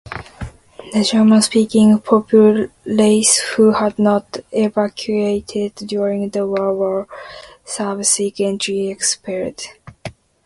The German-speaking populace who had not evacuated during the war were subsequently expelled westward.